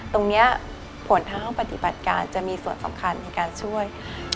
ตรงนี้ผลทางห้องปฏิบัติการจะมีส่วนสำคัญในการช่วย